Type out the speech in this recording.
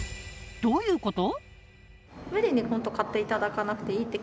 どういうこと？